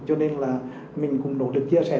cho nên là mình cũng nổi được chia sẻ